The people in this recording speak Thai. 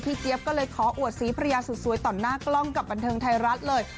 เจี๊ยบก็เลยขออวดสีภรรยาสุดสวยต่อหน้ากล้องกับบันเทิงไทยรัฐเลย